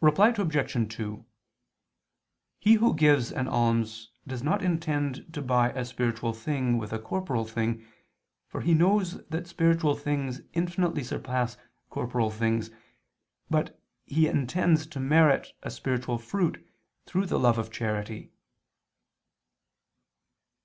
Reply Obj. 2: He who gives an alms does not intend to buy a spiritual thing with a corporal thing, for he knows that spiritual things infinitely surpass corporal things, but he intends to merit a spiritual fruit through the love of charity.